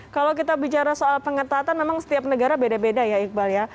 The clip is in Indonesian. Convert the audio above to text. kalau kita bicara soal pengetatan memang setiap negara beda beda ya iqbal ya